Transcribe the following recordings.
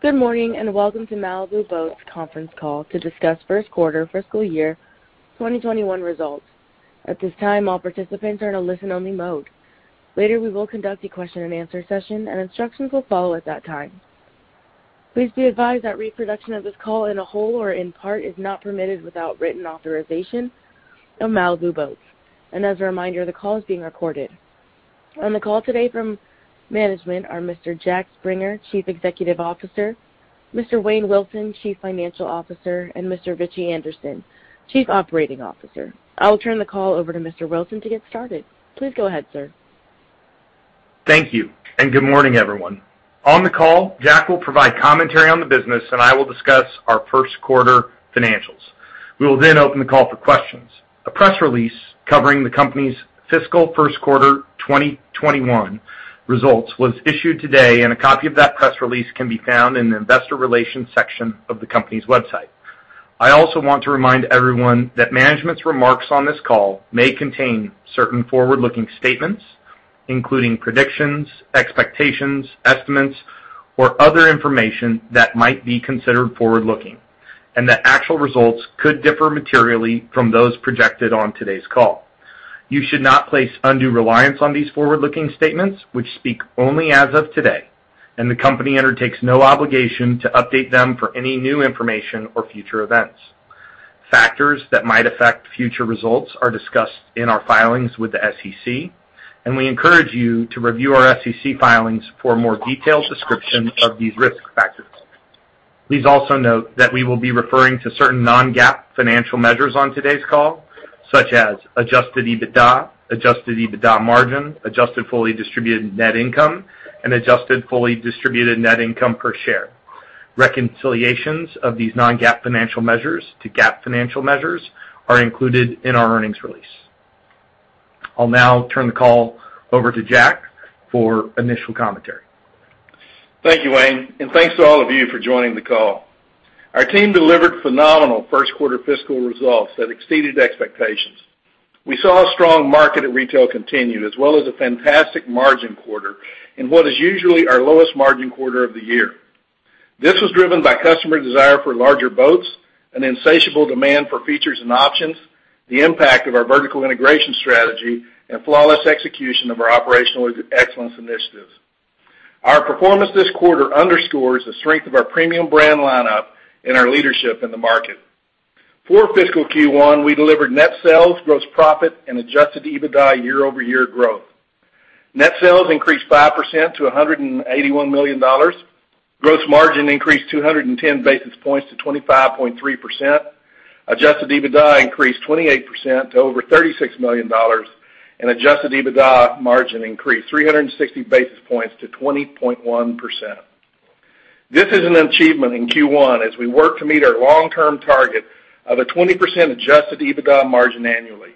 Good morning, and welcome to Malibu Boats' conference call to discuss first quarter fiscal year 2021 results. At this time, all participants are in a listen-only mode. Later, we will conduct a question and answer session, and instructions will follow at that time. Please be advised that reproduction of this call in whole or in part is not permitted without written authorization of Malibu Boats. As a reminder, the call is being recorded. On the call today from management are Mr. Jack Springer, Chief Executive Officer, Mr. Wayne Wilson, Chief Financial Officer, and Mr. Ritchie Anderson, Chief Operating Officer. I'll turn the call over to Mr. Wilson to get started. Please go ahead, sir. Thank you. Good morning, everyone. On the call, Jack will provide commentary on the business. I will discuss our first quarter financials. We will open the call for questions. A press release covering the company's fiscal first quarter 2021 results was issued today. A copy of that press release can be found in the investor relations section of the company's website. I also want to remind everyone that management's remarks on this call may contain certain forward-looking statements, including predictions, expectations, estimates, or other information that might be considered forward-looking. Actual results could differ materially from those projected on today's call. You should not place undue reliance on these forward-looking statements, which speak only as of today. The company undertakes no obligation to update them for any new information or future events. Factors that might affect future results are discussed in our filings with the SEC, and we encourage you to review our SEC filings for a more detailed description of these risk factors. Please also note that we will be referring to certain non-GAAP financial measures on today's call, such as adjusted EBITDA, adjusted EBITDA margin, adjusted fully distributed net income, and adjusted fully distributed net income per share. Reconciliations of these non-GAAP financial measures to GAAP financial measures are included in our earnings release. I'll now turn the call over to Jack for initial commentary. Thank you, Wayne, and thanks to all of you for joining the call. Our team delivered phenomenal first-quarter fiscal results that exceeded expectations. We saw a strong market at retail continued, as well as a fantastic margin quarter in what is usually our lowest margin quarter of the year. This was driven by customer desire for larger boats, an insatiable demand for features and options, the impact of our vertical integration strategy, and flawless execution of our operational excellence initiatives. Our performance this quarter underscores the strength of our premium brand lineup and our leadership in the market. For fiscal Q1, we delivered net sales, gross profit, and adjusted EBITDA year-over-year growth. Net sales increased 5% to $181 million. Gross margin increased 210 basis points to 25.3%. Adjusted EBITDA increased 28% to over $36 million, and adjusted EBITDA margin increased 360 basis points to 20.1%. This is an achievement in Q1 as we work to meet our long-term target of a 20% adjusted EBITDA margin annually.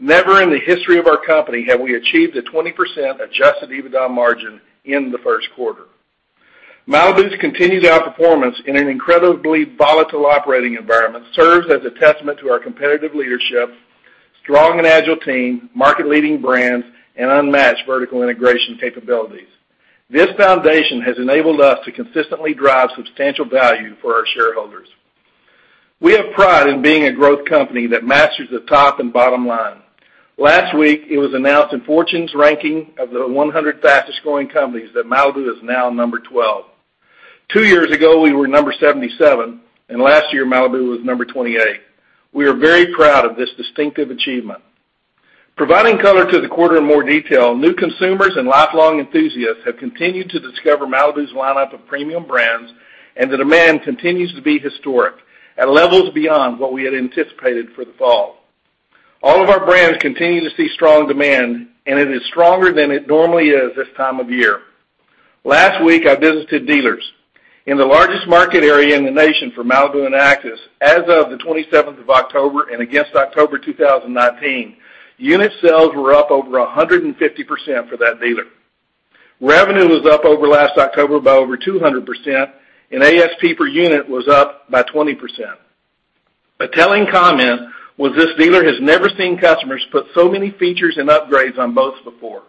Never in the history of our company have we achieved a 20% adjusted EBITDA margin in the first quarter. Malibu's continued outperformance in an incredibly volatile operating environment serves as a testament to our competitive leadership, strong and agile team, market-leading brands, and unmatched vertical integration capabilities. This foundation has enabled us to consistently drive substantial value for our shareholders. We have pride in being a growth company that matches the top and bottom line. Last week, it was announced in Fortune's ranking of the 100 Fastest-Growing Companies that Malibu is now number 12. Two years ago, we were number 77, and last year, Malibu was number 28. We are very proud of this distinctive achievement. Providing color to the quarter in more detail, new consumers and lifelong enthusiasts have continued to discover Malibu's lineup of premium brands, and the demand continues to be historic at levels beyond what we had anticipated for the fall. All of our brands continue to see strong demand, and it is stronger than it normally is this time of year. Last week, I visited dealers. In the largest market area in the nation for Malibu and Axis, as of the 27th of October and against October 2019, unit sales were up over 150% for that dealer. Revenue was up over last October by over 200%, and ASP per unit was up by 20%. A telling comment was this dealer has never seen customers put so many features and upgrades on boats before.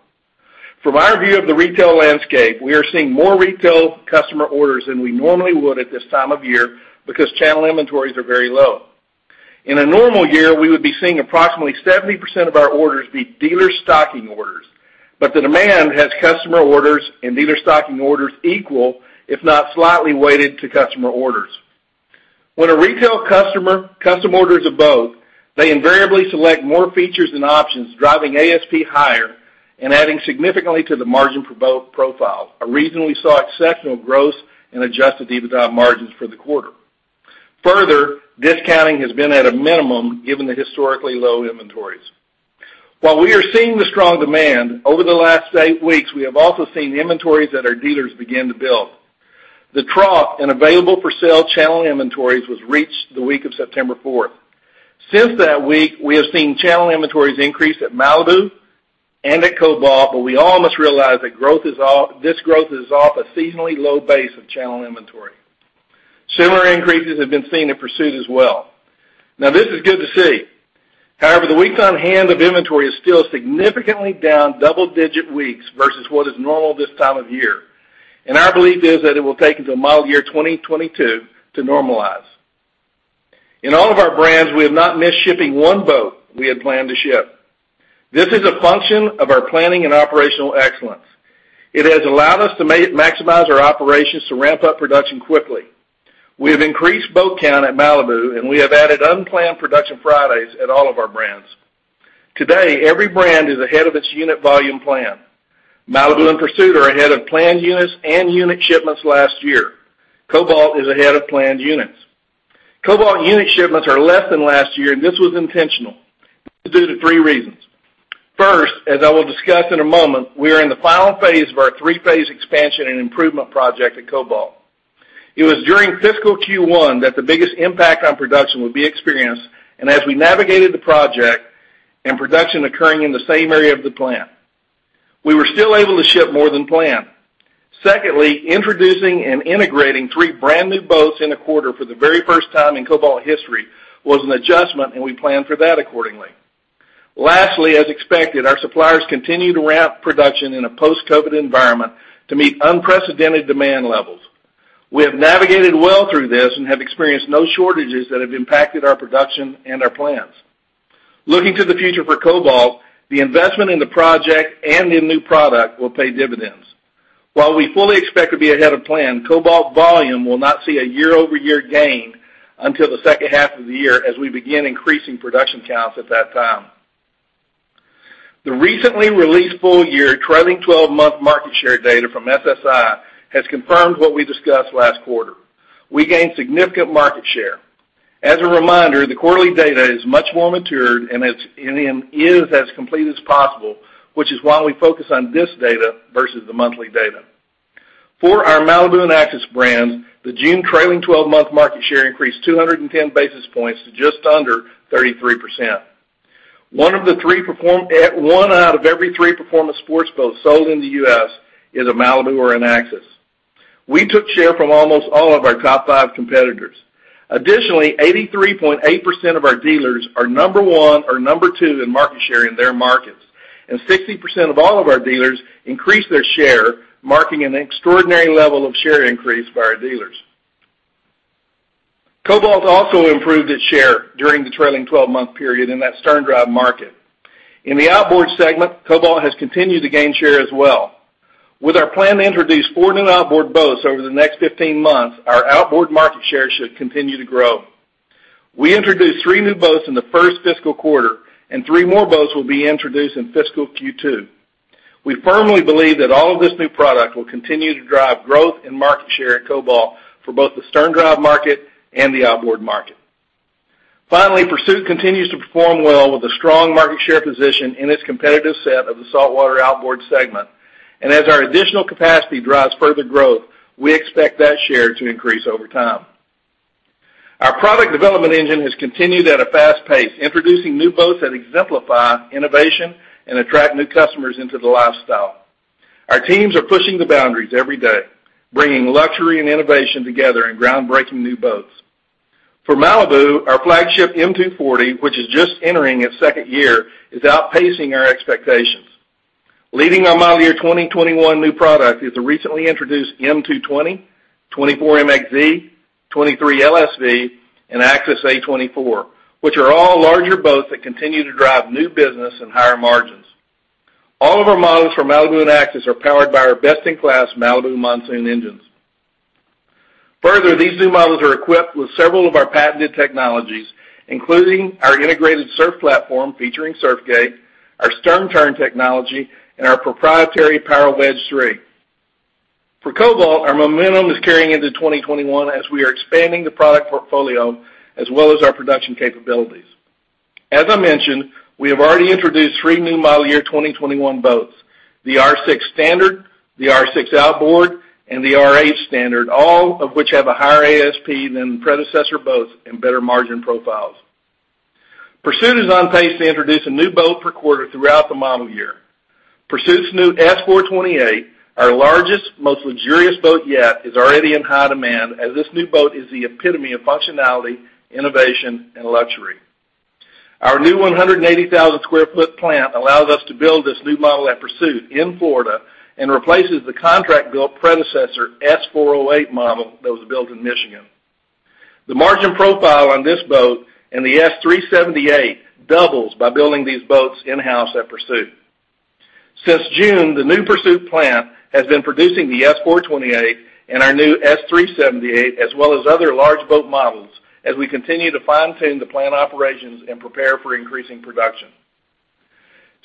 From our view of the retail landscape, we are seeing more retail customer orders than we normally would at this time of year because channel inventories are very low. In a normal year, we would be seeing approximately 70% of our orders be dealer stocking orders, but the demand has customer orders and dealer stocking orders equal, if not slightly weighted to customer orders. When a retail customer orders a boat, they invariably select more features and options, driving ASP higher and adding significantly to the margin profile, a reason we saw exceptional growth and adjusted EBITDA margins for the quarter. Further, discounting has been at a minimum given the historically low inventories. While we are seeing the strong demand, over the last eight weeks, we have also seen inventories at our dealers begin to build. The trough in available-for-sale channel inventories was reached the week of September 4th. Since that week, we have seen channel inventories increase at Malibu and at Cobalt, but we all must realize that this growth is off a seasonally low base of channel inventory. Similar increases have been seen in Pursuit as well. This is good to see. The weeks on hand of inventory is still significantly down double-digit weeks versus what is normal this time of year. Our belief is that it will take until model year 2022 to normalize. In all of our brands, we have not missed shipping one boat we had planned to ship. This is a function of our planning and operational excellence. It has allowed us to maximize our operations to ramp up production quickly. We have increased boat count at Malibu, and we have added unplanned production Fridays at all of our brands. Today, every brand is ahead of its unit volume plan. Malibu and Pursuit are ahead of planned units and unit shipments last year. Cobalt is ahead of planned units. Cobalt unit shipments are less than last year. This was intentional. This is due to three reasons. First, as I will discuss in a moment, we are in the final phase of our three-phase expansion and improvement project at Cobalt. It was during fiscal Q1 that the biggest impact on production would be experienced as we navigated the project and production occurring in the same area of the plant. We were still able to ship more than planned. Secondly, introducing and integrating three brand-new boats in a quarter for the very first time in Cobalt history was an adjustment. We planned for that accordingly. Lastly, as expected, our suppliers continue to ramp production in a post-COVID environment to meet unprecedented demand levels. We have navigated well through this and have experienced no shortages that have impacted our production and our plans. Looking to the future for Cobalt, the investment in the project and in new product will pay dividends. While we fully expect to be ahead of plan, Cobalt volume will not see a year-over-year gain until the second half of the year as we begin increasing production counts at that time. The recently released full-year trailing 12-month market share data from SSI has confirmed what we discussed last quarter. As a reminder, the quarterly data is much more matured, and it is as complete as possible, which is why we focus on this data versus the monthly data. For our Malibu and Axis brands, the June trailing 12-month market share increased 210 basis points to just under 33%. One out of every three performance sports boats sold in the U.S. is a Malibu or an Axis. We took share from almost all of our top five competitors. Additionally, 83.8% of our dealers are number one or number two in market share in their markets, and 60% of all of our dealers increased their share, marking an extraordinary level of share increase by our dealers. Cobalt also improved its share during the trailing 12-month period in that sterndrive market. In the outboard segment, Cobalt has continued to gain share as well. With our plan to introduce four new outboard boats over the next 15 months, our outboard market share should continue to grow. We introduced three new boats in the first fiscal quarter, and three more boats will be introduced in fiscal Q2. We firmly believe that all of this new product will continue to drive growth and market share at Cobalt for both the sterndrive market and the outboard market. Pursuit continues to perform well with a strong market share position in its competitive set of the saltwater outboard segment. As our additional capacity drives further growth, we expect that share to increase over time. Our product development engine has continued at a fast pace, introducing new boats that exemplify innovation and attract new customers into the lifestyle. Our teams are pushing the boundaries every day, bringing luxury and innovation together in groundbreaking new boats. For Malibu, our flagship M240, which is just entering its second year, is outpacing our expectations. Leading our model year 2021 new product is the recently introduced M220, 24 MXZ, 23 LSV, and Axis A24, which are all larger boats that continue to drive new business and higher margins. All of our models for Malibu and Axis are powered by our best-in-class Malibu Monsoon engines. Further, these new models are equipped with several of our patented technologies, including our Integrated Surf Platform featuring Surf Gate, our Stern Turn technology, and our proprietary Power Wedge III. For Cobalt, our momentum is carrying into 2021 as we are expanding the product portfolio as well as our production capabilities. As I mentioned, we have already introduced three new model year 2021 boats, the R6 Standard, the R6 Outboard, and the R8 Standard, all of which have a higher ASP than predecessor boats and better margin profiles. Pursuit is on pace to introduce a new boat per quarter throughout the model year. Pursuit's new S428, our largest, most luxurious boat yet, is already in high demand as this new boat is the epitome of functionality, innovation, and luxury. Our new 180,000 sq ft plant allows us to build this new model at Pursuit in Florida and replaces the contract-built predecessor S408 model that was built in Michigan. The margin profile on this boat and the S378 doubles by building these boats in-house at Pursuit. Since June, the new Pursuit plant has been producing the S428 and our new S378, as well as other large boat models as we continue to fine-tune the plant operations and prepare for increasing production.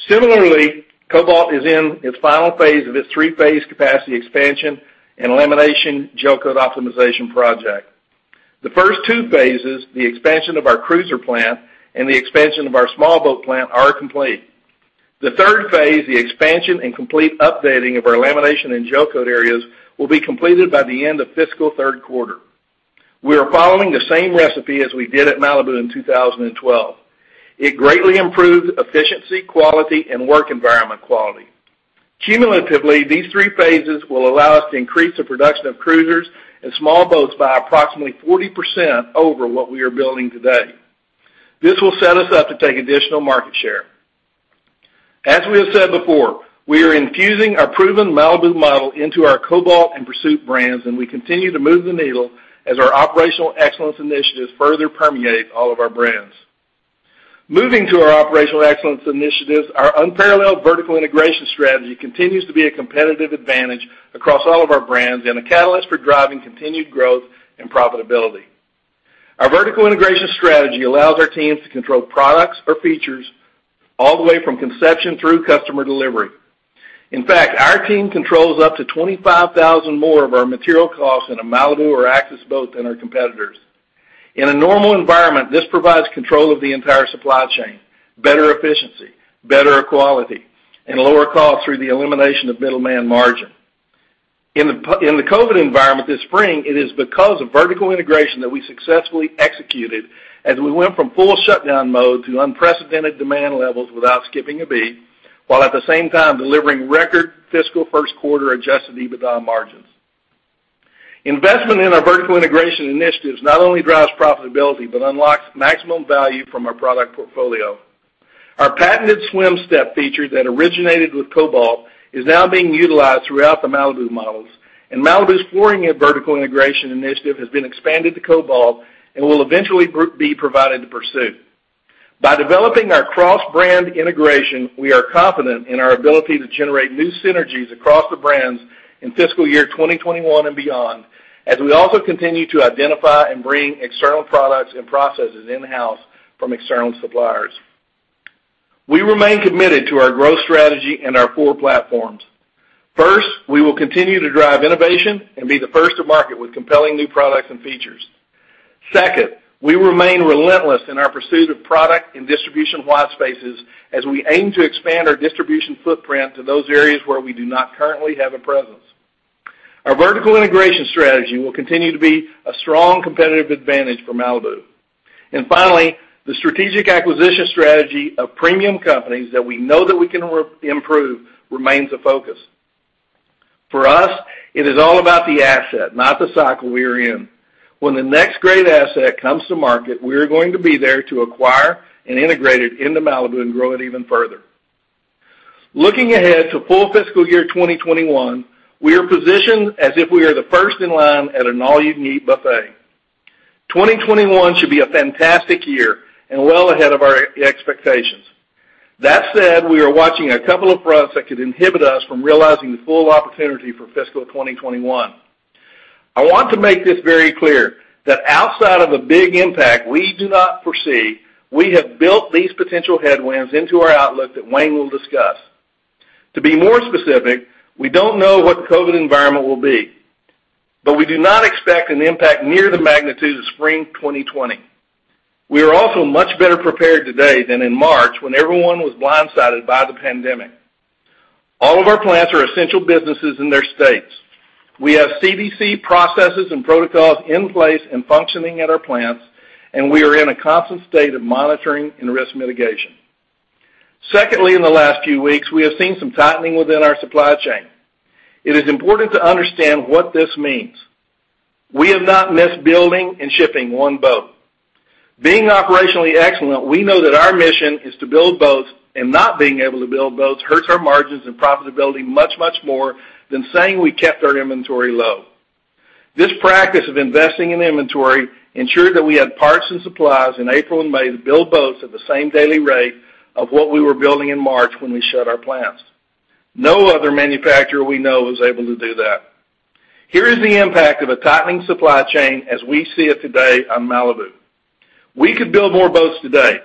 Similarly, Cobalt is in its final phase of its three-phase capacity expansion and lamination gel coat optimization project. The first two phases, the expansion of our cruiser plant and the expansion of our small boat plant, are complete. The third phase, the expansion and complete updating of our lamination and gel coat areas, will be completed by the end of fiscal third quarter. We are following the same recipe as we did at Malibu in 2012. It greatly improves efficiency, quality, and work environment quality. Cumulatively, these three phases will allow us to increase the production of cruisers and small boats by approximately 40% over what we are building today. This will set us up to take additional market share. As we have said before, we are infusing our proven Malibu model into our Cobalt and Pursuit brands, and we continue to move the needle as our operational excellence initiatives further permeate all of our brands. Moving to our operational excellence initiatives, our unparalleled vertical integration strategy continues to be a competitive advantage across all of our brands and a catalyst for driving continued growth and profitability. Our vertical integration strategy allows our teams to control products or features all the way from conception through customer delivery. In fact, our team controls up to $25,000 more of our material costs in a Malibu or Axis boat than our competitors. In a normal environment, this provides control of the entire supply chain, better efficiency, better quality, and lower cost through the elimination of middleman margin. In the COVID environment this spring, it is because of vertical integration that we successfully executed as we went from full shutdown mode to unprecedented demand levels without skipping a beat, while at the same time delivering record fiscal first quarter adjusted EBITDA margins. Investment in our vertical integration initiatives not only drives profitability, but unlocks maximum value from our product portfolio. Our patented Swim Step feature that originated with Cobalt is now being utilized throughout the Malibu models, and Malibu's flooring and vertical integration initiative has been expanded to Cobalt and will eventually be provided to Pursuit. By developing our cross-brand integration, we are confident in our ability to generate new synergies across the brands in fiscal year 2021 and beyond, as we also continue to identify and bring external products and processes in-house from external suppliers. We remain committed to our growth strategy and our four platforms. First, we will continue to drive innovation and be the first to market with compelling new products and features. Second, we remain relentless in our pursuit of product and distribution white spaces as we aim to expand our distribution footprint to those areas where we do not currently have a presence. Our vertical integration strategy will continue to be a strong competitive advantage for Malibu. Finally, the strategic acquisition strategy of premium companies that we know that we can improve remains a focus. For us, it is all about the asset, not the cycle we are in. When the next great asset comes to market, we are going to be there to acquire and integrate it into Malibu and grow it even further. Looking ahead to full fiscal year 2021, we are positioned as if we are the first in line at an all-you-can-eat buffet. 2021 should be a fantastic year and well ahead of our expectations. That said, we are watching a couple of fronts that could inhibit us from realizing the full opportunity for fiscal 2021. I want to make this very clear that outside of a big impact we do not foresee, we have built these potential headwinds into our outlook that Wayne will discuss. To be more specific, we don't know what the COVID environment will be, but we do not expect an impact near the magnitude of spring 2020. We are also much better prepared today than in March when everyone was blindsided by the pandemic. All of our plants are essential businesses in their states. We have CDC processes and protocols in place and functioning at our plants, and we are in a constant state of monitoring and risk mitigation. Secondly, in the last few weeks, we have seen some tightening within our supply chain. It is important to understand what this means. We have not missed building and shipping one boat. Being operationally excellent, we know that our mission is to build boats, and not being able to build boats hurts our margins and profitability much, much more than saying we kept our inventory low. This practice of investing in inventory ensured that we had parts and supplies in April and May to build boats at the same daily rate of what we were building in March when we shut our plants. No other manufacturer we know was able to do that. Here is the impact of a tightening supply chain as we see it today on Malibu. We could build more boats today,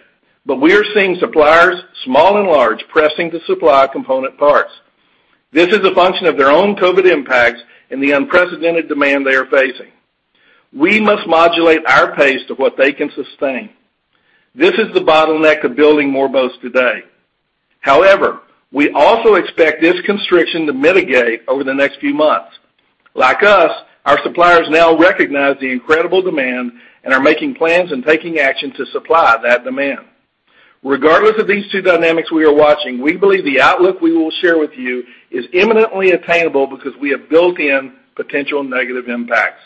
but we are seeing suppliers, small and large, pressing to supply component parts. This is a function of their own COVID impacts and the unprecedented demand they are facing. We must modulate our pace to what they can sustain. This is the bottleneck of building more boats today. However, we also expect this constriction to mitigate over the next few months. Like us, our suppliers now recognize the incredible demand and are making plans and taking action to supply that demand. Regardless of these two dynamics we are watching, we believe the outlook we will share with you is imminently attainable because we have built in potential negative impacts.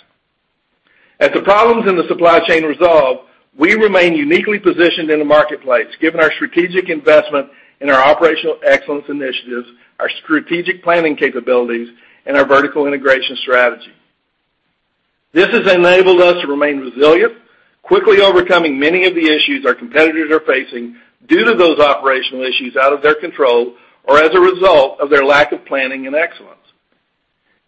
As the problems in the supply chain resolve, we remain uniquely positioned in the marketplace, given our strategic investment in our operational excellence initiatives, our strategic planning capabilities, and our vertical integration strategy. This has enabled us to remain resilient, quickly overcoming many of the issues our competitors are facing due to those operational issues out of their control or as a result of their lack of planning and excellence.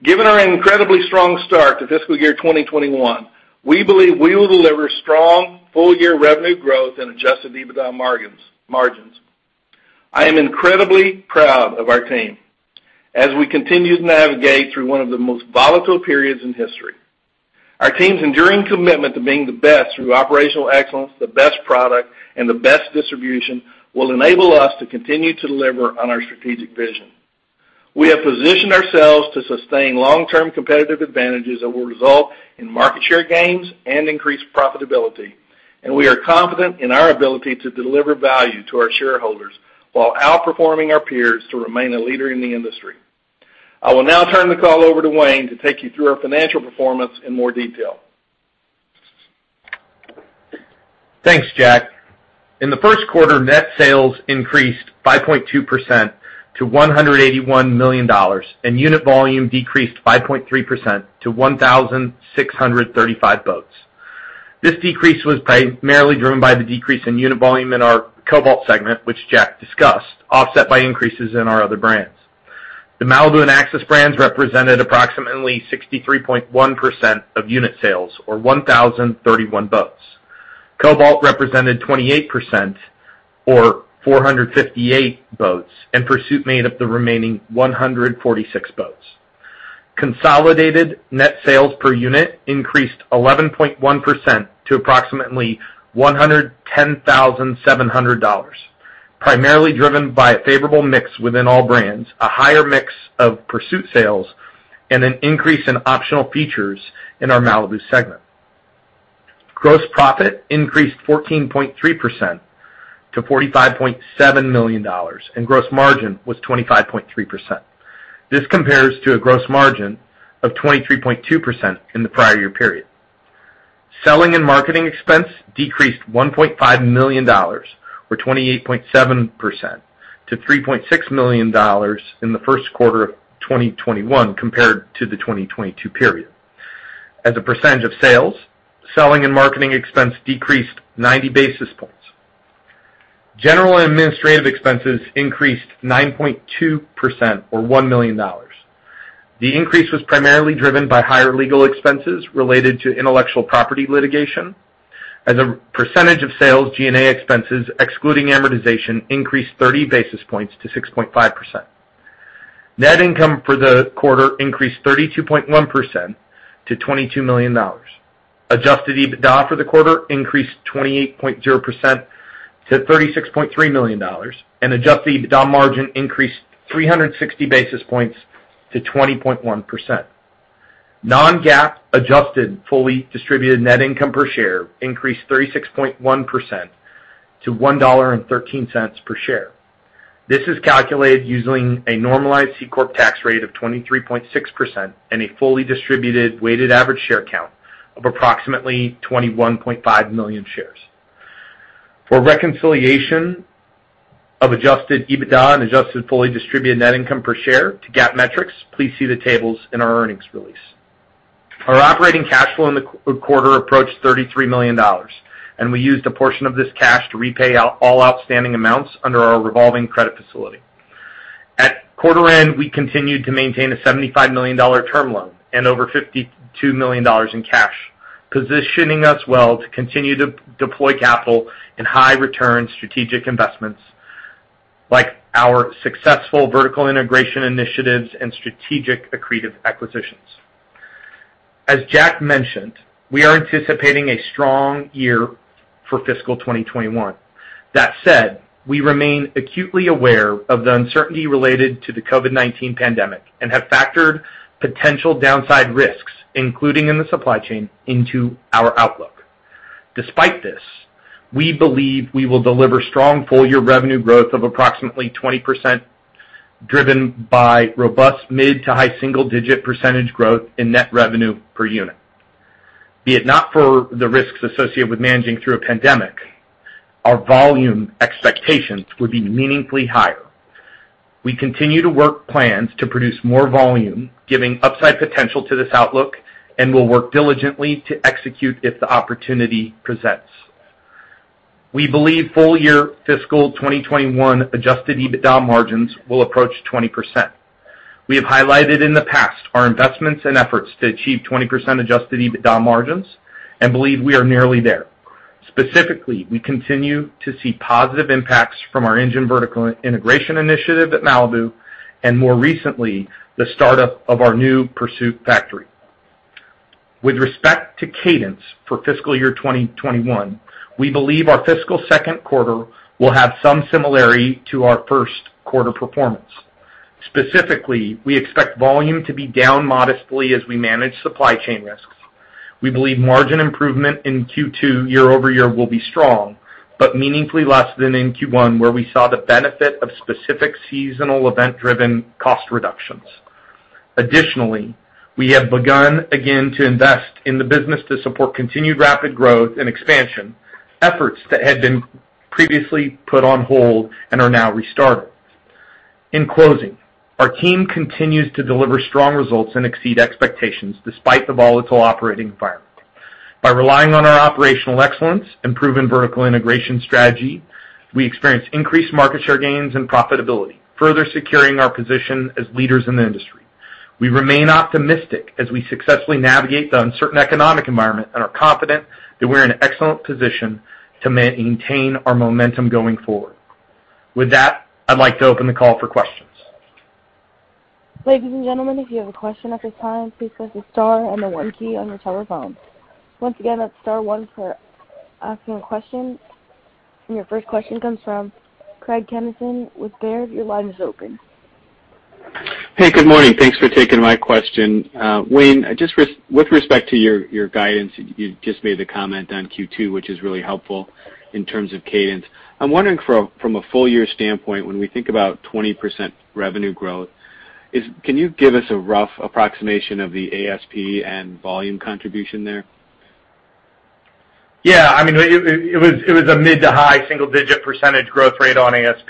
Given our incredibly strong start to fiscal year 2021, we believe we will deliver strong full-year revenue growth and adjusted EBITDA margins. I am incredibly proud of our team as we continue to navigate through one of the most volatile periods in history. Our team's enduring commitment to being the best through operational excellence, the best product, and the best distribution will enable us to continue to deliver on our strategic vision. We have positioned ourselves to sustain long-term competitive advantages that will result in market share gains and increased profitability. We are confident in our ability to deliver value to our shareholders while outperforming our peers to remain a leader in the industry. I will now turn the call over to Wayne to take you through our financial performance in more detail. Thanks, Jack. In the first quarter, net sales increased 5.2% to $181 million. Unit volume decreased 5.3% to 1,635 boats. This decrease was primarily driven by the decrease in unit volume in our Cobalt segment, which Jack discussed, offset by increases in our other brands. The Malibu and Axis brands represented approximately 63.1% of unit sales, or 1,031 boats. Cobalt represented 28%, or 458 boats. Pursuit made up the remaining 146 boats. Consolidated net sales per unit increased 11.1% to approximately $110,700, primarily driven by a favorable mix within all brands, a higher mix of Pursuit sales, and an increase in optional features in our Malibu segment. Gross profit increased 14.3% to $45.7 million. Gross margin was 25.3%. This compares to a gross margin of 23.2% in the prior year period. Selling and marketing expense decreased $1.5 million, or 28.7%, to $3.6 million in the first quarter of 2021 compared to the 2020 period. As a percentage of sales, selling and marketing expense decreased 90 basis points. General and administrative expenses increased 9.2%, or $1 million. The increase was primarily driven by higher legal expenses related to intellectual property litigation. As a percentage of sales, G&A expenses, excluding amortization, increased 30 basis points to 6.5%. Net income for the quarter increased 32.1% to $22 million. Adjusted EBITDA for the quarter increased 28.0% to $36.3 million, and adjusted EBITDA margin increased 360 basis points to 20.1%. Non-GAAP adjusted fully distributed net income per share increased 36.1% to $1.13 per share. This is calculated using a normalized C Corp tax rate of 23.6% and a fully distributed weighted average share count of approximately 21.5 million shares. For reconciliation of adjusted EBITDA and adjusted fully distributed net income per share to GAAP metrics, please see the tables in our earnings release. Our operating cash flow in the quarter approached $33 million, and we used a portion of this cash to repay all outstanding amounts under our revolving credit facility. At quarter end, we continued to maintain a $75 million term loan and over $52 million in cash, positioning us well to continue to deploy capital in high return strategic investments like our successful vertical integration initiatives and strategic accretive acquisitions. As Jack mentioned, we are anticipating a strong year for fiscal 2021. That said, we remain acutely aware of the uncertainty related to the COVID-19 pandemic and have factored potential downside risks, including in the supply chain, into our outlook. Despite this, we believe we will deliver strong full year revenue growth of approximately 20%, driven by robust mid to high single-digit percentage growth in net revenue per unit. Be it not for the risks associated with managing through a pandemic, our volume expectations would be meaningfully higher. We continue to work plans to produce more volume, giving upside potential to this outlook, and will work diligently to execute if the opportunity presents. We believe full year fiscal 2021 adjusted EBITDA margins will approach 20%. We have highlighted in the past our investments and efforts to achieve 20% adjusted EBITDA margins and believe we are nearly there. Specifically, we continue to see positive impacts from our engine vertical integration initiative at Malibu, and more recently, the startup of our new Pursuit factory. With respect to cadence for fiscal year 2021, we believe our fiscal second quarter will have some similarity to our first quarter performance. Specifically, we expect volume to be down modestly as we manage supply chain risks. We believe margin improvement in Q2 year-over-year will be strong, but meaningfully less than in Q1, where we saw the benefit of specific seasonal event driven cost reductions. Additionally, we have begun again to invest in the business to support continued rapid growth and expansion efforts that had been previously put on hold and are now restarted. In closing, our team continues to deliver strong results and exceed expectations despite the volatile operating environment. By relying on our operational excellence and proven vertical integration strategy, we experience increased market share gains and profitability, further securing our position as leaders in the industry. We remain optimistic as we successfully navigate the uncertain economic environment and are confident that we're in an excellent position to maintain our momentum going forward. With that, I'd like to open the call for questions. Ladies and gentlemen, if you have a question at this time, please press star and the one key on your telephone. Once again, that's star one for asking a question. Your first question comes from Craig Kennison with Baird. Your line is open. Hey, good morning. Thanks for taking my question. Wayne, just with respect to your guidance, you just made the comment on Q2, which is really helpful in terms of cadence. I'm wondering from a full year standpoint, when we think about 20% revenue growth, can you give us a rough approximation of the ASP and volume contribution there? Yeah. It was a mid to high single-digit percentage growth rate on ASP.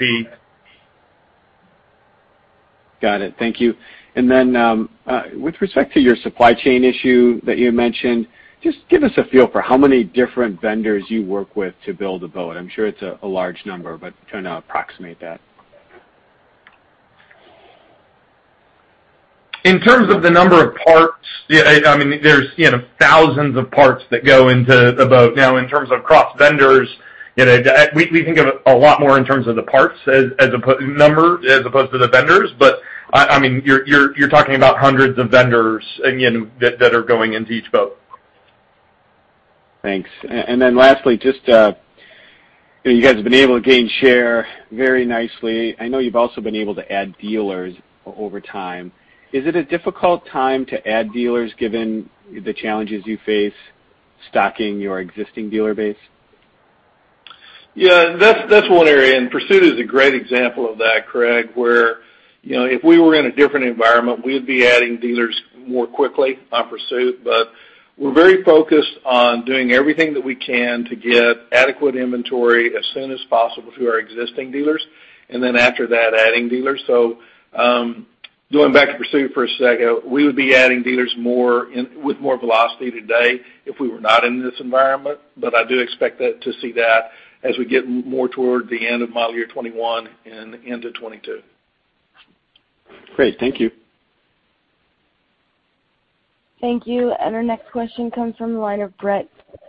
Got it. Thank you. With respect to your supply chain issue that you had mentioned, just give us a feel for how many different vendors you work with to build a boat. I'm sure it's a large number, but trying to approximate that. In terms of the number of parts, there's thousands of parts that go into the boat. In terms of cross vendors, we think of it a lot more in terms of the parts as a number as opposed to the vendors. You're talking about hundreds of vendors again, that are going into each boat. Thanks. Lastly, just you guys have been able to gain share very nicely. I know you've also been able to add dealers over time. Is it a difficult time to add dealers given the challenges you face stocking your existing dealer base? Yeah, that's one area. Pursuit is a great example of that, Craig, where if we were in a different environment, we'd be adding dealers more quickly on Pursuit. We're very focused on doing everything that we can to get adequate inventory as soon as possible to our existing dealers, and then after that, adding dealers. Going back to Pursuit for a second, we would be adding dealers with more velocity today if we were not in this environment, but I do expect to see that as we get more toward the end of model year 2021 and into 2022. Great. Thank you. Thank you. Our next question comes from the line of Brett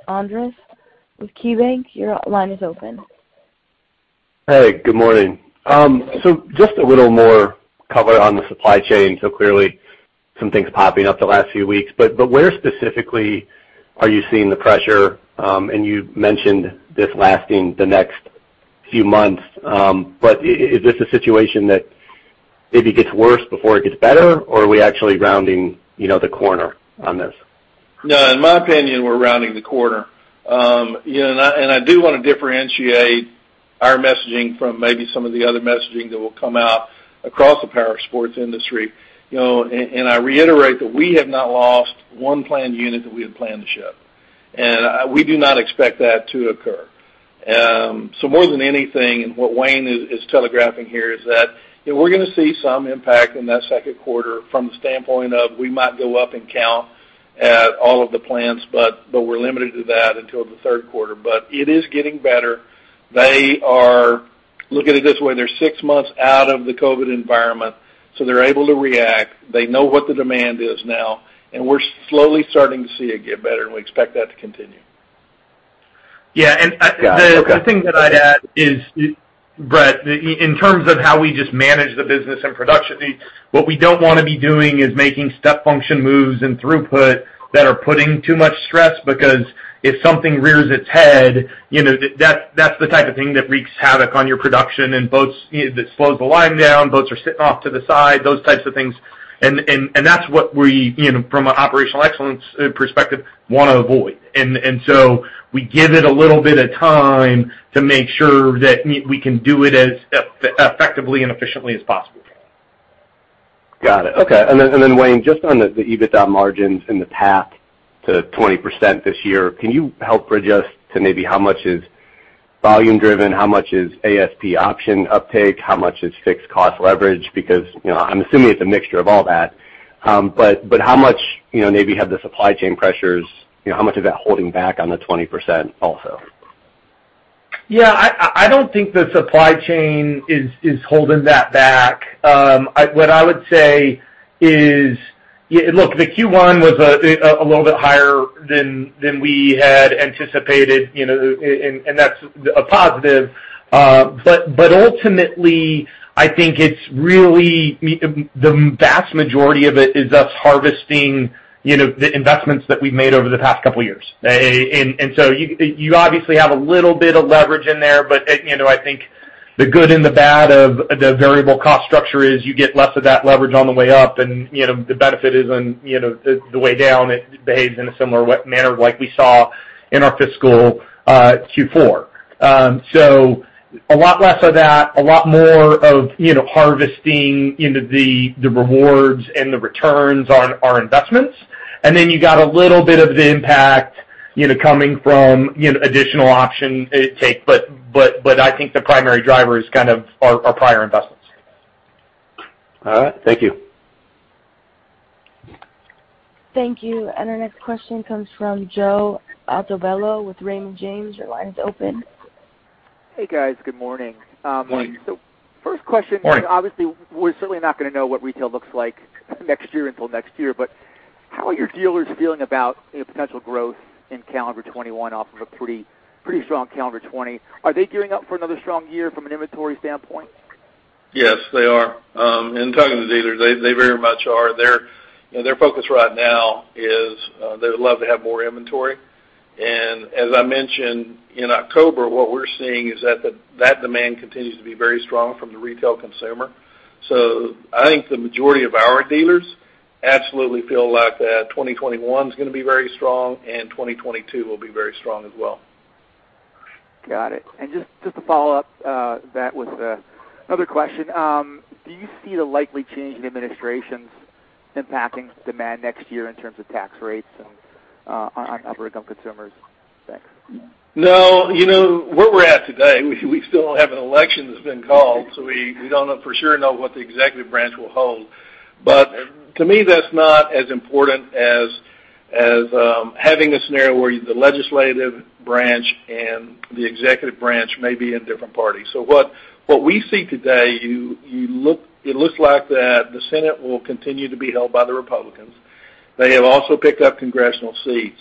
Andress with KeyBanc. Your line is open. Hey, good morning. Just a little more color on the supply chain. Clearly, some things popping up the last few weeks, but where specifically are you seeing the pressure? You mentioned this lasting the next few months, but is this a situation that maybe gets worse before it gets better, or are we actually rounding the corner on this? In my opinion, we're rounding the corner. I do want to differentiate our messaging from maybe some of the other messaging that will come out across the powersports industry. I reiterate that we have not lost one planned unit that we had planned to ship, and we do not expect that to occur. More than anything, and what Wayne is telegraphing here is that, we're going to see some impact in that second quarter from the standpoint of we might go up in count at all of the plants, but we're limited to that until the third quarter. It is getting better. Look at it this way: they're six months out of the COVID environment, so they're able to react. They know what the demand is now, and we're slowly starting to see it get better, and we expect that to continue. Yeah. Got it. Okay. The thing that I'd add is, Brett, in terms of how we just manage the business and production needs, what we don't want to be doing is making step function moves and throughput that are putting too much stress because if something rears its head, that's the type of thing that wreaks havoc on your production and it slows the line down. Boats are sitting off to the side, those types of things. That's what we, from an operational excellence perspective, want to avoid. We give it a little bit of time to make sure that we can do it as effectively and efficiently as possible. Got it. Okay. Wayne, just on the EBITDA margins and the path to 20% this year, can you help bridge us to maybe how much is volume driven, how much is ASP option uptake, how much is fixed cost leverage? I'm assuming it's a mixture of all that. How much maybe have the supply chain pressures, how much is that holding back on the 20% also? I don't think the supply chain is holding that back. What I would say is, look, the Q1 was a little bit higher than we had anticipated, and that's a positive. Ultimately, I think it's really the vast majority of it is us harvesting the investments that we've made over the past couple of years. You obviously have a little bit of leverage in there, but I think the good and the bad of the variable cost structure is you get less of that leverage on the way up, and the benefit is on the way down. It behaves in a similar manner like we saw in our fiscal Q4. A lot less of that, a lot more of harvesting the rewards and the returns on our investments. You got a little bit of the impact coming from additional option take, but I think the primary driver is kind of our prior investments. All right. Thank you. Thank you. Our next question comes from Joe Altobello with Raymond James. Your line is open. Hey, guys. Good morning. Morning. Morning. First question, obviously, we're certainly not going to know what retail looks like next year until next year, but how are your dealers feeling about potential growth in calendar 2021 off of a pretty strong calendar 2020? Are they gearing up for another strong year from an inventory standpoint? Yes, they are. In talking to the dealers, they very much are. Their focus right now is they would love to have more inventory. As I mentioned, in October, what we're seeing is that demand continues to be very strong from the retail consumer. I think the majority of our dealers absolutely feel like that 2021 is going to be very strong, and 2022 will be very strong as well. Got it. Just to follow up that with another question. Do you see the likely change in administrations impacting demand next year in terms of tax rates on upper income consumers? Thanks. No. Where we're at today, we still don't have an election that's been called, so we don't for sure know what the executive branch will hold. To me, that's not as important as having a scenario where the legislative branch and the executive branch may be in different parties. What we see today, it looks like that the Senate will continue to be held by the Republicans. They have also picked up congressional seats.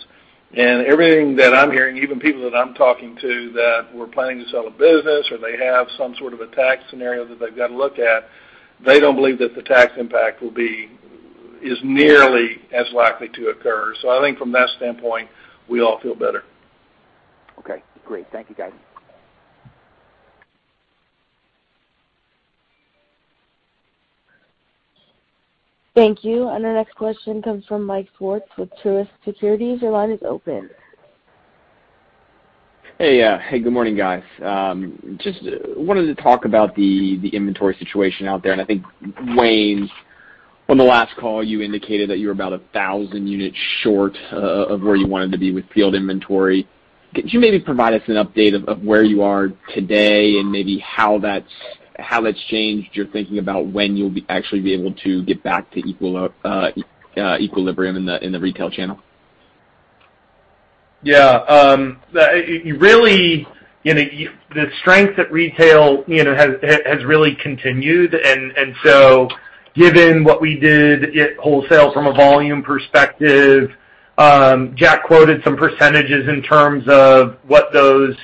Everything that I'm hearing, even people that I'm talking to that were planning to sell a business, or they have some sort of a tax scenario that they've got to look at, they don't believe that the tax impact is nearly as likely to occur. I think from that standpoint, we all feel better. Okay, great. Thank you, guys. Thank you. Our next question comes from Mike Swartz with Truist Securities. Your line is open. Hey. Good morning, guys. Just wanted to talk about the inventory situation out there. I think Wayne, on the last call, you indicated that you were about 1,000 units short of where you wanted to be with field inventory. Could you maybe provide us an update of where you are today and maybe how that's changed your thinking about when you'll actually be able to get back to equilibrium in the retail channel? Yeah. The strength at retail has really continued, and so given what we did at wholesale from a volume perspective, Jack quoted some percentages in terms of what those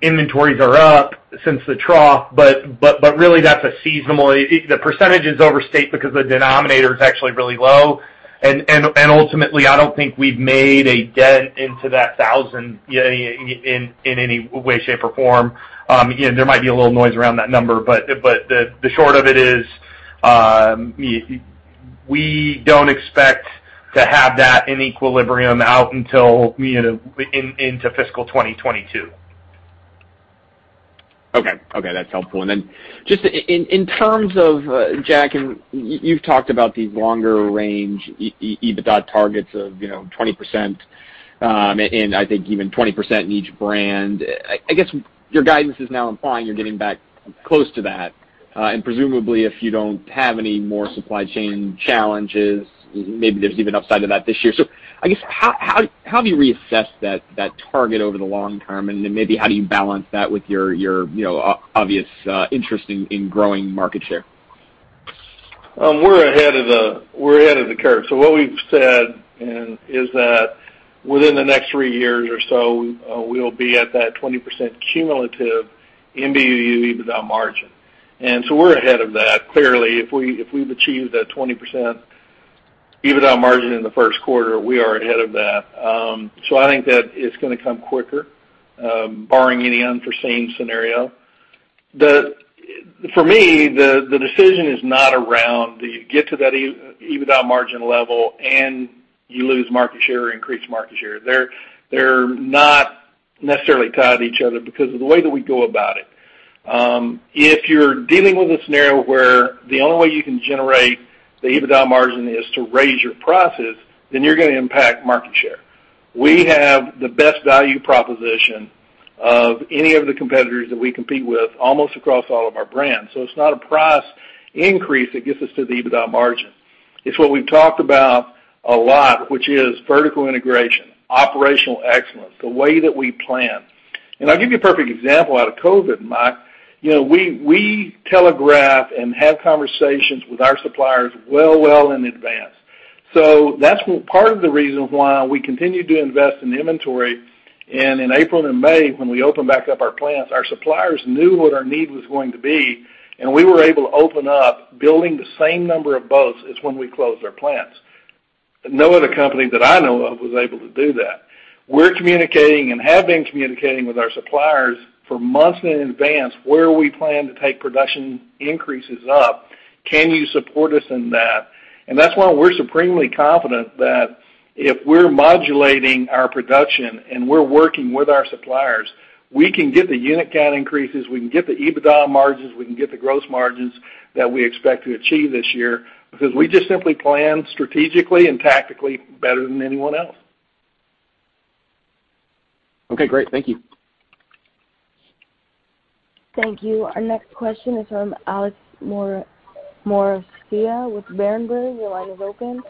inventories are up since the trough. Really, that's a seasonal the percentages overstate because the denominator is actually really low. Ultimately, I don't think we've made a dent into that 1,000 in any way, shape, or form. There might be a little noise around that number, but the short of it is we don't expect to have that in equilibrium out until into fiscal 2022. Okay. That's helpful. Just in terms of, Jack, you've talked about these longer range EBITDA targets of 20% and I think even 20% in each brand. I guess your guidance is now implying you're getting back close to that. Presumably, if you don't have any more supply chain challenges, maybe there's even upside to that this year. I guess, how have you reassessed that target over the long term, and then maybe how do you balance that with your obvious interest in growing market share? We're ahead of the curve. What we've said is that within the next three years or so, we'll be at that 20% cumulative MBUU EBITDA margin. We're ahead of that. Clearly, if we've achieved that 20% EBITDA margin in the first quarter, we are ahead of that. I think that it's going to come quicker, barring any unforeseen scenario. For me, the decision is not around do you get to that EBITDA margin level and you lose market share or increase market share. They're not necessarily tied to each other because of the way that we go about it. If you're dealing with a scenario where the only way you can generate the EBITDA margin is to raise your prices, then you're going to impact market share. We have the best value proposition of any of the competitors that we compete with almost across all of our brands. It's not a price increase that gets us to the EBITDA margin. It's what we've talked about a lot, which is vertical integration, operational excellence, the way that we plan. I'll give you a perfect example out of COVID, Mike. We telegraphed and had conversations with our supplier well, well in advanced. That's part of the reason why we continued to invest in inventory. In April and May, when we opened back up our plants, our suppliers knew what our need was going to be, and we were able to open up building the same number of boats as when we closed our plants. No other company that I know of was able to do that. We're communicating and have been communicating with our suppliers for months in advance where we plan to take production increases up. Can you support us in that? That's why we're supremely confident that if we're modulating our production and we're working with our suppliers, we can get the unit count increases, we can get the EBITDA margins, we can get the gross margins that we expect to achieve this year because we just simply plan strategically and tactically better than anyone else. Okay, great. Thank you. Thank you. Our next question is from Alex Maroccia with Berenberg. Your line is open.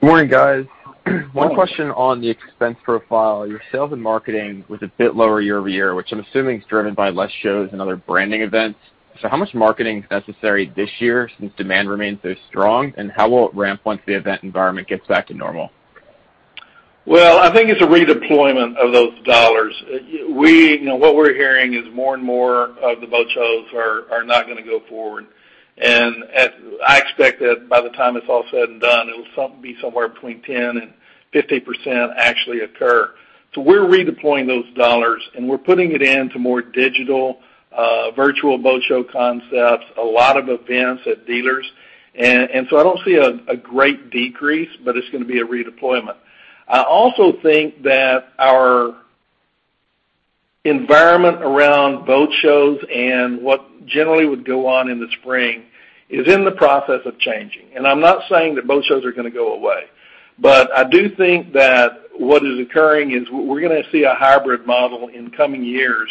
Good morning, guys. Good morning. One question on the expense profile. Your sales and marketing was a bit lower year-over-year, which I'm assuming is driven by less shows and other branding events. How much marketing is necessary this year since demand remains so strong, and how will it ramp once the event environment gets back to normal? Well, I think it's a redeployment of those dollars. What we're hearing is more and more of the boat shows are not going to go forward. I expect that by the time it's all said and done, it'll be somewhere between 10% and 15% actually occur. We're redeploying those dollars, and we're putting it into more digital, virtual boat show concepts, a lot of events at dealers. I don't see a great decrease, but it's going to be a redeployment. I also think that our environment around boat shows and what generally would go on in the spring is in the process of changing. I'm not saying that boat shows are going to go away, but I do think that what is occurring is we're going to see a hybrid model in coming years,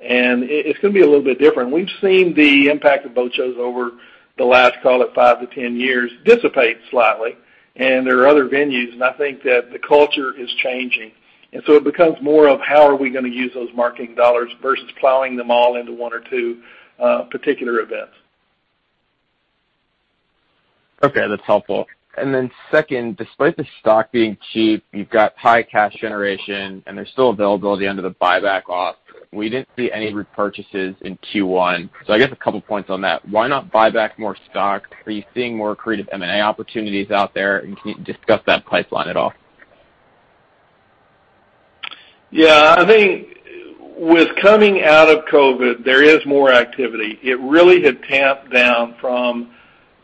and it's going to be a little bit different. We've seen the impact of boat shows over the last, call it five to 10 years, dissipate slightly, and there are other venues, and I think that the culture is changing, and so it becomes more of how are we going to use those marketing dollars versus plowing them all into one or two particular events. Okay, that's helpful. Second, despite the stock being cheap, you've got high cash generation, and there's still availability under the buyback offer. We didn't see any repurchases in Q1. I guess a couple points on that. Why not buy back more stock? Are you seeing more accretive M&A opportunities out there? Can you discuss that pipeline at all? Yeah, I think with coming out of COVID, there is more activity. It really had tamped down from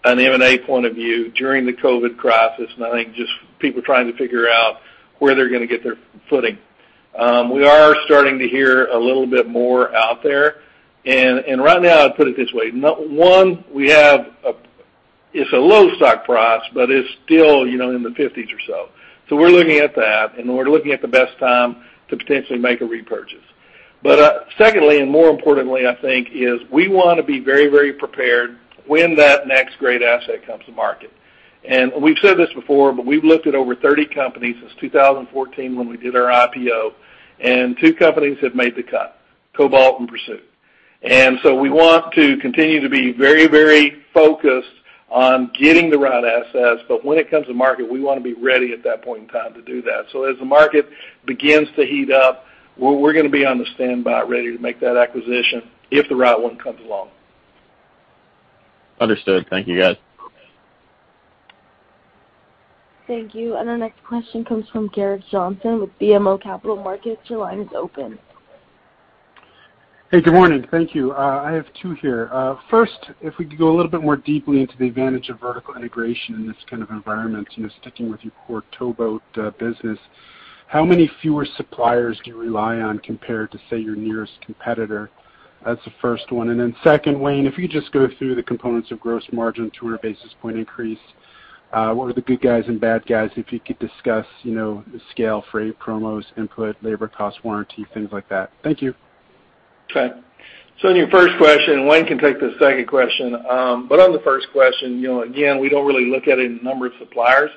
an M&A point of view during the COVID crisis. I think just people trying to figure out where they're going to get their footing. We are starting to hear a little bit more out there. Right now, I'd put it this way. One, it's a low stock price. It's still in the 50s or so. We're looking at that. We're looking at the best time to potentially make a repurchase. Secondly, more importantly, I think, is we want to be very prepared when that next great asset comes to market. We've said this before. We've looked at over 30 companies since 2014 when we did our IPO. Two companies have made the cut, Cobalt and Pursuit. We want to continue to be very focused on getting the right assets, but when it comes to market, we want to be ready at that point in time to do that. As the market begins to heat up, we're going to be on the standby ready to make that acquisition if the right one comes along. Understood. Thank you, guys. Thank you. Our next question comes from Gerrick Johnson with BMO Capital Markets. Your line is open. Hey, good morning. Thank you. I have two here. First, if we could go a little bit more deeply into the advantage of vertical integration in this kind of environment, sticking with your core towboat business. How many fewer suppliers do you rely on compared to, say, your nearest competitor? That's the first one. Second, Wayne, if you just go through the components of gross margin, 200 basis point increase, what are the good guys and bad guys, if you could discuss the scale, freight, promos, input, labor cost, warranty, things like that. Thank you. Okay. On your first question, Wayne can take the second question. On the first question, again, we don't really look at it in the number of suppliers.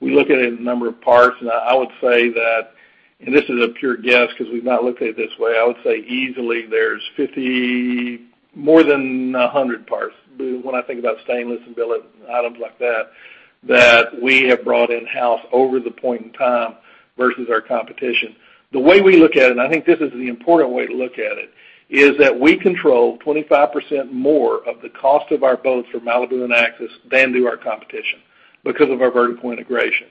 We look at it in the number of parts. I would say that, and this is a pure guess because we've not looked at it this way, I would say easily there's more than 100 parts, when I think about stainless and billet and items like that we have brought in-house over the point in time versus our competition. The way we look at it, and I think this is the important way to look at it, is that we control 25% more of the cost of our boats for Malibu and Axis than do our competition because of our vertical integration.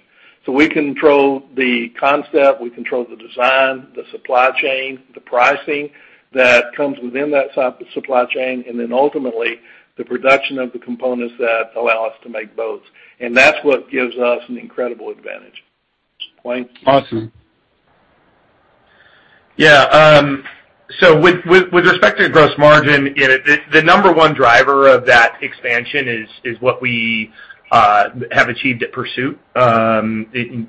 We control the concept, we control the design, the supply chain, the pricing that comes within that supply chain, and then ultimately, the production of the components that allow us to make boats. That's what gives us an incredible advantage. Wayne? Awesome. Yeah. With respect to gross margin, the number one driver of that expansion is what we have achieved at Pursuit. The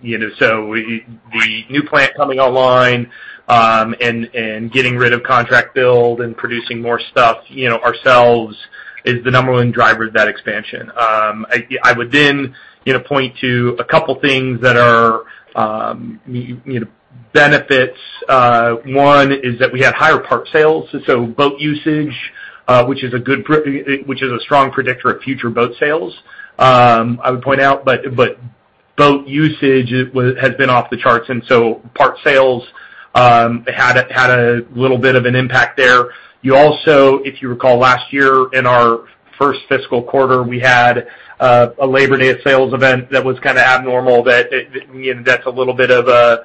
new plant coming online, and getting rid of contract build and producing more stuff ourselves is the number one driver of that expansion. I would point to a couple things that are benefits. One is that we had higher part sales, boat usage, which is a strong predictor of future boat sales, I would point out, boat usage has been off the charts, part sales had a little bit of an impact there. You also, if you recall, last year in our first fiscal quarter, we had a Labor Day sales event that was kind of abnormal. That's a little bit of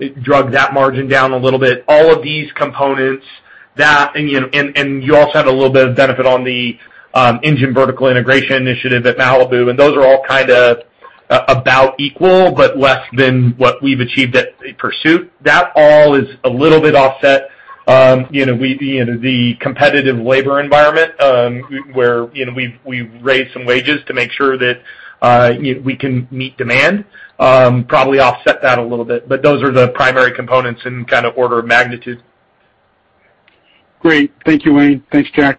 it dragged that margin down a little bit. All of these components, and you also had a little bit of benefit on the engine vertical integration initiative at Malibu, and those are all kind of about equal, but less than what we've achieved at Pursuit. That all is a little bit offset. The competitive labor environment, where we've raised some wages to make sure that we can meet demand probably offset that a little bit. Those are the primary components in kind of order of magnitude. Great. Thank you, Wayne. Thanks, Jack.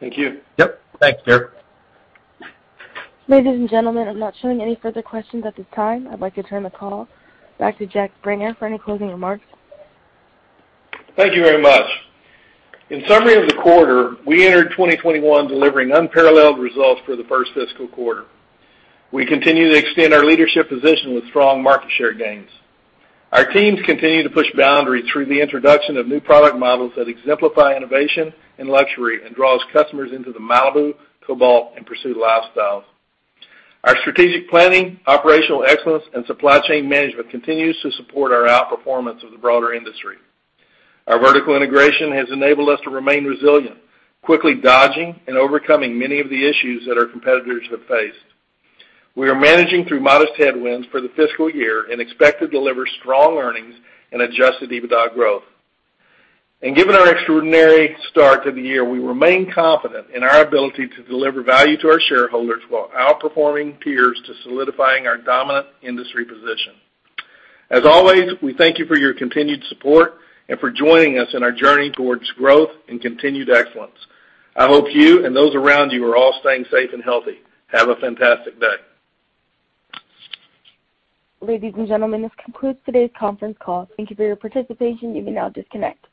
Thank you. Yep. Thanks, Garrick. Ladies and gentlemen, I'm not showing any further questions at this time. I'd like to turn the call back to Jack Springer for any closing remarks. Thank you very much. In summary of the quarter, we entered 2021 delivering unparalleled results for the first fiscal quarter. We continue to extend our leadership position with strong market share gains. Our teams continue to push boundaries through the introduction of new product models that exemplify innovation and luxury and draws customers into the Malibu, Cobalt, and Pursuit lifestyles. Our strategic planning, operational excellence, and supply chain management continues to support our outperformance of the broader industry. Our vertical integration has enabled us to remain resilient, quickly dodging and overcoming many of the issues that our competitors have faced. We are managing through modest headwinds for the fiscal year and expect to deliver strong earnings and adjusted EBITDA growth. Given our extraordinary start to the year, we remain confident in our ability to deliver value to our shareholders while outperforming peers to solidifying our dominant industry position. As always, we thank you for your continued support and for joining us in our journey towards growth and continued excellence. I hope you and those around you are all staying safe and healthy. Have a fantastic day. Ladies and gentlemen, this concludes today's conference call. Thank you for your participation. You may now disconnect.